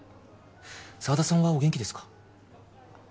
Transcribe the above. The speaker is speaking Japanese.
沢田さんはお元気ですか？